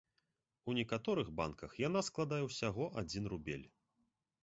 У некаторых банках яна складае ўсяго адзін рубель.